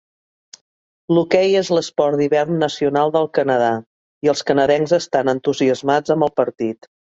L'hoquei és l'esport d'hivern nacional del Canadà i els canadencs estan entusiasmats amb el partit.